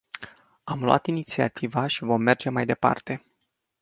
Am luat inițiativa și vom merge mai departe.